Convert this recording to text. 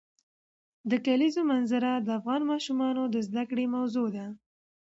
د کلیزو منظره د افغان ماشومانو د زده کړې موضوع ده.